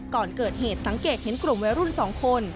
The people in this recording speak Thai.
ก่อนเกิดเหตุสังเกตเห็นกลุ่มวัยรุ่น๒คน